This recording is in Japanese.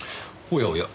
おやおや